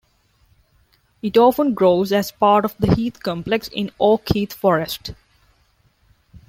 It often grows as part of the heath complex in an oak-heath forest.